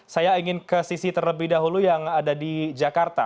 saya ingin ke sisi terlebih dahulu yang ada di jakarta